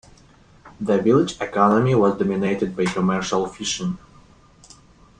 The village economy was dominated by commercial fishing.